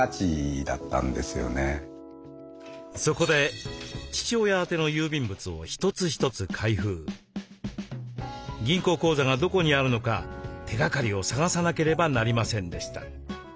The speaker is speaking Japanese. そこで銀行口座がどこにあるのか手がかりを探さなければなりませんでした。